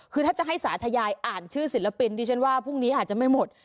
คือถ้าจะให้สาธยายอ่านชื่อศิลปินดิฉันว่าพรุ่งนี้อาจจะไม่หมด